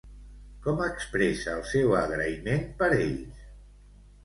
Com expressa el seu agraïment per ells?